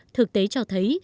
thực tế cho thấy